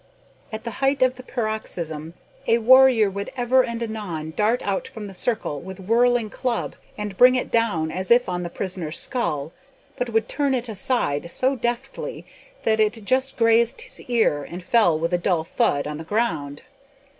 At the height of the paroxysm, a warrior would ever and anon dart out from the circle with whirling club, and bring it down as if on the prisoner's skull, but would turn it aside so deftly that it just grazed his ear and fell with a dull thud on the ground.